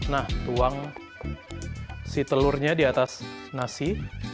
nah tuang si telurnya di atas nasi